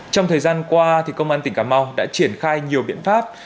trong thời gian qua công an tỉnh cà mau đã triển khai nhiều biện pháp